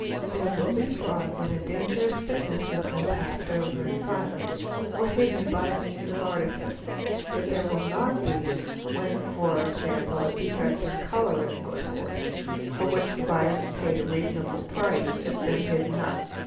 | There will be fraud when a dangerous sickness has been passed over in silence or hidden by means of artifice, but there will not be when for example a defect of colour in a good horse, for which the buyer has paid a reasonable price, has been hidden up.